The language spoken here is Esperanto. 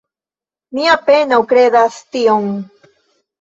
Mi apenaŭ kredas tion.